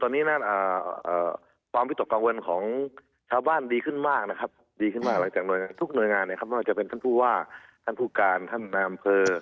ตอนนี้น่ะความพิตรกังวลของชาวบ้านดีขึ้นมากนะครับดีขึ้นมากทุกหน่วยงานเนี่ยครับมักจะเป็นท่านผู้ว่าท่านผู้การท่านนำเพลอ